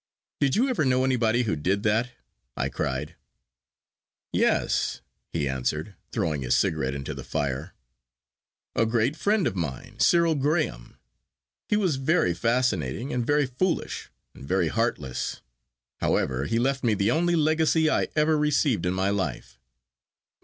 'Did you ever know anybody who did that?' I cried. 'Yes,' he answered, throwing his cigarette into the fire,—'a great friend of mine, Cyril Graham. He was very fascinating, and very foolish, and very heartless. However, he left me the only legacy I ever received in my life.